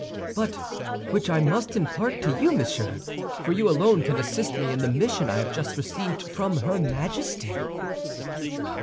"But which I must impart to you, monsieur, for you alone can assist me in the mission I have just received from her Majesty."